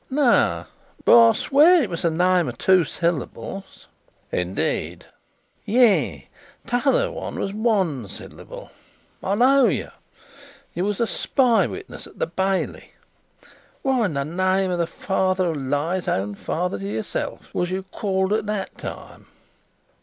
"No. But I'll swear it was a name of two syllables." "Indeed?" "Yes. T'other one's was one syllable. I know you. You was a spy witness at the Bailey. What, in the name of the Father of Lies, own father to yourself, was you called at that time?"